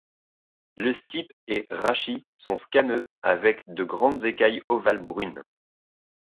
Le stipe et rachis sont squameux avec de grandes écailles ovales brunes.